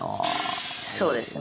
そうですね。